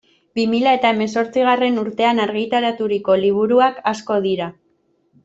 Bi mila eta hemezortzigarren urtean argitaraturiko liburuak asko dira.